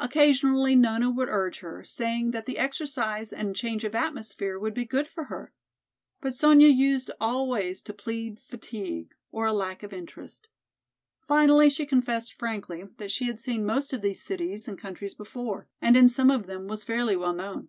Occasionally Nona would urge her, saying that the exercise and change of atmosphere would be good for her. But Sonya used always to plead fatigue or a lack of interest. Finally she confessed frankly that she had seen most of these cities and countries before, and in some of them was fairly well known.